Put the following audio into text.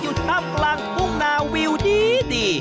อยู่ท่าบกลางภูมินาวิวดี